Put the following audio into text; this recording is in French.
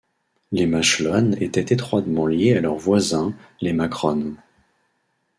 Les Machelones étaient étroitement liés à leurs voisins les Macrones.